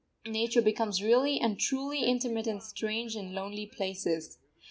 Nature becomes really and truly intimate in strange and lonely places.